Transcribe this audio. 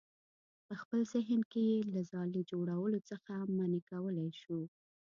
په خپل ذهن کې یې له ځالې جوړولو څخه منع کولی شو.